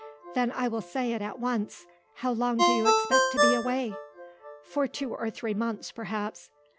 "Then I will say it at once! How long do you expect to be away?" "For two or three months, perhaps."